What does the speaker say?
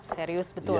serius betul ya